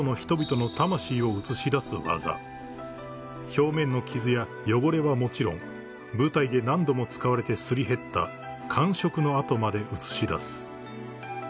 ［表面の傷や汚れはもちろん舞台で何度も使われてすり減った感触の跡まで写し出す］